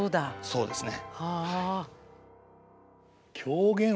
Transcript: そうですね。